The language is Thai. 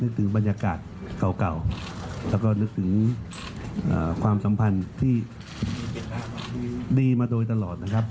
ถึงบรรยากาศเก่าแล้วก็นึกถึงความสัมพันธ์ที่ดีมาโดยตลอดนะครับ